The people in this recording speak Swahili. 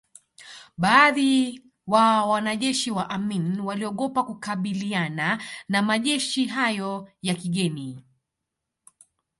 Baadhi wa wanajeshi wa Amin waliogopa kukabiliana na majeshi hayo ya kigeni